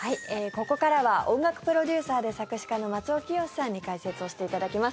ここからは音楽プロデューサーで作詞家の松尾潔さんに解説をしていただきます。